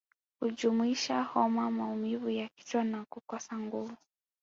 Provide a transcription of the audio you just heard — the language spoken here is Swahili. Hujumuisha homa maumivu ya kichwa na kukosa nguvu